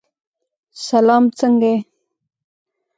سلام! څنګه یې؟